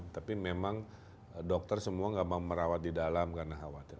tapi memang dokter semua nggak mau merawat di dalam karena khawatir